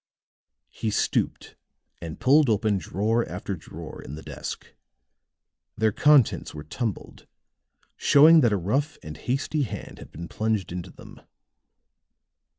He stooped and pulled open drawer after drawer in the desk; their contents were tumbled, showing that a rough and hasty hand had been plunged into them.